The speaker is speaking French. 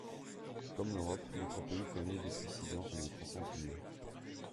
Comme l’Europe, notre pays connaît depuis six ans une croissance nulle.